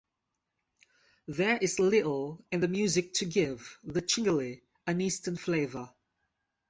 There is little in the music to give "The Cingalee" an Eastern flavour.